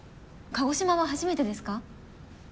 鹿児島は初めてですか？